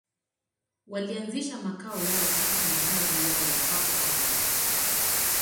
Walianzisha makao yao katika makazi yao ya hapo awali.